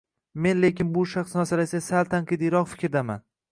Men lekin bu shaxs masalasida sal tanqidiyroq fikrdaman.